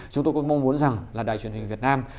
chúng tôi cũng mong muốn rằng là đài truyền hình việt nam